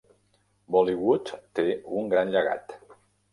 Bollywood té un gran llegat.